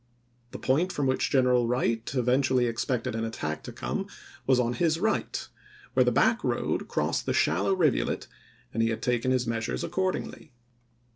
The point from which General Wright eventually expected an attack to come was on his right, where the Back road crossed the shallow 316 ABRAHAM LINCOLN chap. xiv. rivulet, and he had taken his measures accordingly.